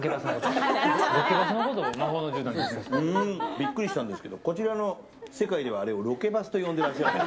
ビックリしたんですけどこちらの世界ではあれをロケバスと呼んでいらっしゃると。